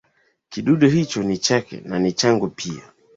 Kidude hicho ni chake na ni changu pia